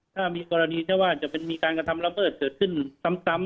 ถ้ามีกรณีถ้าว่าจะมีการกระทำระเบิดเกิดขึ้นซ้ำ